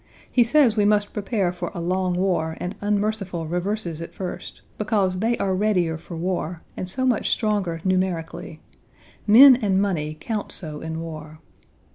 He says we must prepare for a long war and unmerciful reverses at first, because they are readier for war and so much stronger numerically. Men and money count so in war.